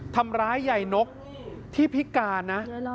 ทำร้ายยายนกที่พิการนะ